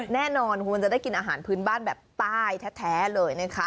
แน่นอนคุณจะได้กินอาหารพื้นบ้านแบบใต้แท้เลยนะคะ